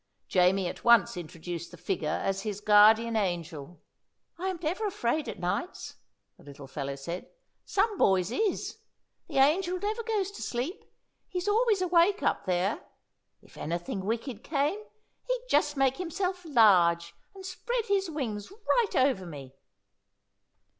Jamie at once introduced the figure as his guardian angel. "I am never afraid at nights," the little fellow said. "Some boys is. The angel never goes to sleep; he's always awake up there. If anything wicked came, he'd just make himself large and spread his wings right over me."